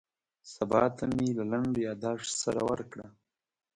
سبا ته مې له لنډ یاداښت سره ورکړه.